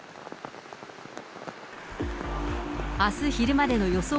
あす昼までの予想